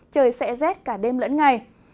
trời sẽ rét cả đêm lẫn ngày